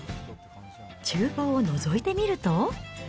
ちゅう房をのぞいてみると。